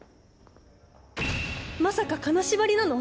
まさか金縛りなの？